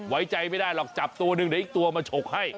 ไว้ใจไม่ได้หรอกจับตัวหนึ่งเดี๋ยวอีกตัวมาฉกให้